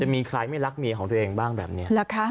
จะมีใครไม่รักเมียของตัวเองบ้างแบบเนี้ยแหละคะ